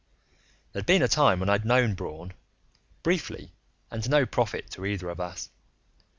There'd been a time when I'd known Braun, briefly and to no profit to either of us.